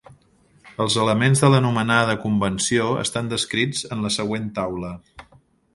Els elements de la nomenada convenció estan descrits en la següent taula.